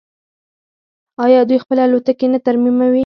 آیا دوی خپلې الوتکې نه ترمیموي؟